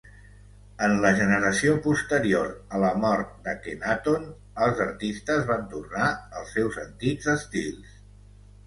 En la generació posterior a la mort d'Akhenaton, els artistes van tornar als seus antics estils.